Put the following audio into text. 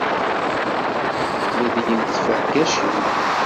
Ledyent tifergacin.